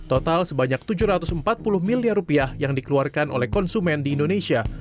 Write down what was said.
tahun dua ribu tiga belas total sebanyak tujuh ratus empat puluh miliar rupiah yang dikeluarkan oleh konsumen di indonesia